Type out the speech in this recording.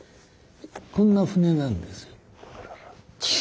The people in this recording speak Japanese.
こんな船なんです。